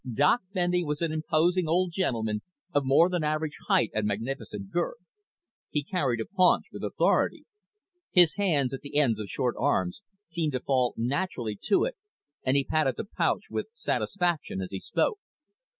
Doc Bendy was an imposing old gentleman of more than average height and magnificent girth. He carried a paunch with authority. His hands, at the ends of short arms, seemed to fall naturally to it, and he patted the paunch with satisfaction as he spoke.